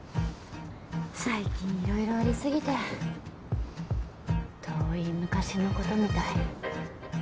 最近色々ありすぎて遠い昔のことみたい。